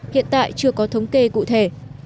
hiện tại chưa có thống kê cụ thể